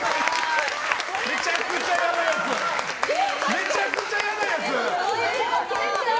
めちゃくちゃ嫌なやつ！